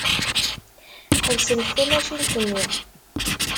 Ḥebsent tamacint-nni.